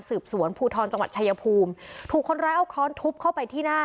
สืบสวนภูทรจังหวัดชายภูมิถูกคนร้ายเอาค้อนทุบเข้าไปที่หน้า